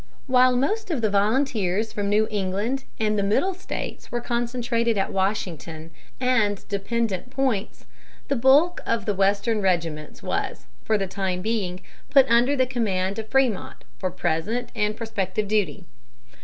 While most of the volunteers from New England and the Middle States were concentrated at Washington and dependent points, the bulk of the Western regiments was, for the time being, put under the command of Frémont for present and prospective duty.